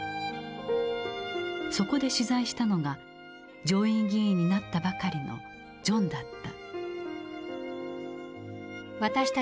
そこで取材したのが上院議員になったばかりのジョンだった。